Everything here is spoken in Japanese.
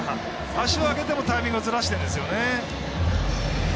足を上げてもタイミングをずらしてるんですよね。